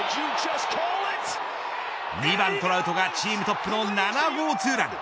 ２番トラウトがチームトップの７号ツーラン。